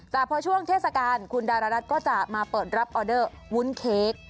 แต่พอช่วงเทศกาลคุณดารรัฐก็จะมาเปิดรับออเดอร์วุ้นเค้ก